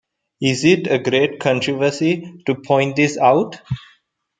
Is it a great controversy to point this out?